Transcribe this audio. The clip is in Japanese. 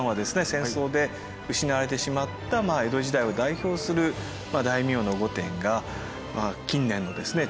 戦争で失われてしまった江戸時代を代表する大名の御殿が近年のですね